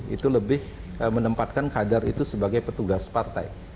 itu lebih menempatkan kader itu sebagai petugas partai